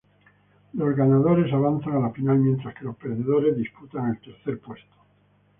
Los ganadores avanzan a la final, mientras que los perdedores disputan el tercer puesto.